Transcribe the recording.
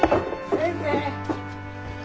先生？